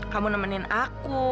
kamu nemenin aku